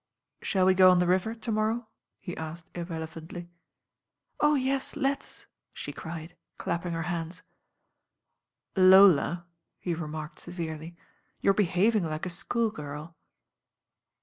"Shall we go on the river to morrow?" he asked irrelevantly. •'Oh yes, let's," she cried, dapping her hands. THE RAIN OIRL "Loll/* he remarked leverelf, '']rou*re behiTing like t ichool girl."